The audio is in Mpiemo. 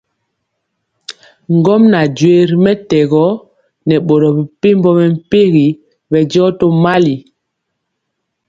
Ŋgomnaŋ joee ri mɛtɛgɔ nɛ boro mepempɔ mɛmpegi bɛndiɔ tomali.